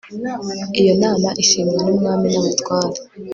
iyo nama ishimwa n'umwami n'abatware